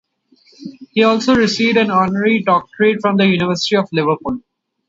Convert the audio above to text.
He also received an honorary doctorate from the University of Liverpool.